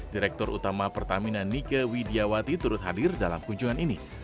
direktur utama pertamina nike widiawati turut hadir dalam kunjungan ini